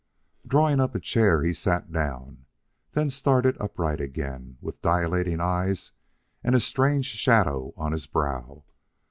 Drawing up a chair, he sat down; then started upright again with dilating eyes and a strange shadow on his brow.